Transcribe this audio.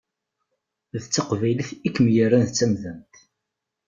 D taqbaylit i kem-yerran d tamdant.